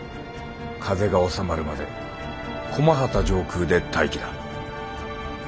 風が収まるまで駒畠上空で待機だ。